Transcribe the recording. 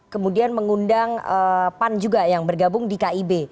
kemudian mengundang pan juga yang bergabung di kib